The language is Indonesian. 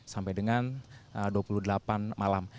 sampai dengan dua puluh delapan malam